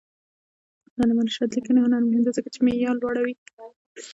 د علامه رشاد لیکنی هنر مهم دی ځکه چې معیار لوړوي.